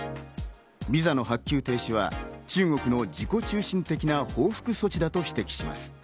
ビザの発給停止は中国の自己中心的な報復措置だと指摘します。